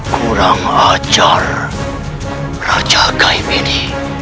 kurang ajar raja gaib ini